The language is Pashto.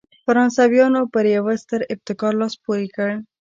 فرانسویانو پر یوه ستر ابتکار لاس پورې کړ.